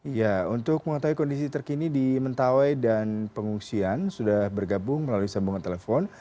ya untuk mengetahui kondisi terkini di mentawai dan pengungsian sudah bergabung melalui sambungan telepon